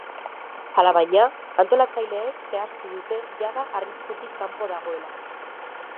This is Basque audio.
Alabaina, antolatzaileek zehaztu dute jada arriskutik kanpo dagoela.